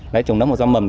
đấy trồng nấm và rau mầm